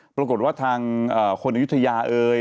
ปรากฏว่าทางคนอายุทยาเอ่ย